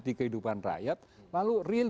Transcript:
di kehidupan rakyat lalu real